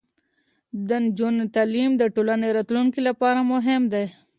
د نجونو تعلیم د ټولنې راتلونکي لپاره مهم دی.